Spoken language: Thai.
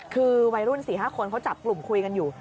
คือวัยรุ่น๔๕คนเขาจับกลุ่มคุยกันอยู่